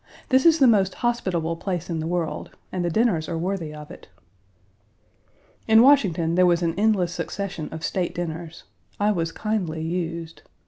This is the most hospitable place in the world, and the dinners are worthy of it. In Washington, there was an endless succession of state dinners. I was kindly used.